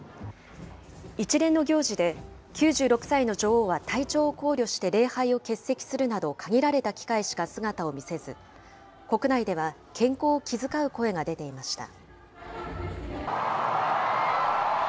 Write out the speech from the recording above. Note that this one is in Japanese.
一連の行事で、９６歳の女王は、体調を考慮して礼拝を欠席するなど、限られた機会しか姿を見せず、国内では健康を気遣う声が出ていました。